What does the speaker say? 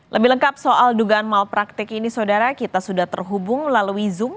lebih lengkap soal dugaan malpraktik ini saudara kita sudah terhubung melalui zoom